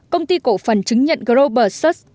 bảy công ty cổ phần chứng nhận grover sớt